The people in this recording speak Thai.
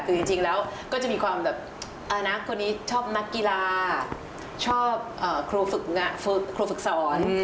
คือจริงแล้วก็จะมีความแบบคนนี้ชอบนักกีฬาชอบครูฝึกสอน